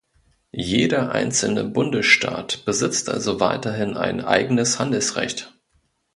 Jeder einzelne Bundesstaat besitzt also weiterhin ein eigenes Handelsrecht.